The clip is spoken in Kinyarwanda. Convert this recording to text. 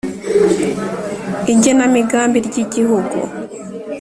Igenamigambi ry igihugu